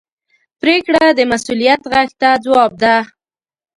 پرېکړه د مسؤلیت غږ ته ځواب ده.